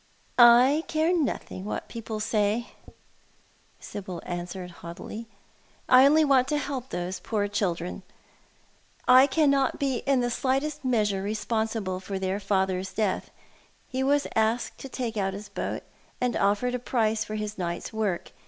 " I care nothing what people say," Sibyl answered, haughtily. " I only want to help those poor children, I cannot be in the slightest measure responsible for their father's death. He was asked to take out his boat, and offered a price for his night's work.